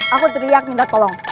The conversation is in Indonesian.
aku teriak minta tolong